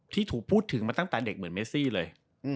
ที่ถูกพูดถึงมาตั้งแต่เด็กเหมือนเมซี่เลย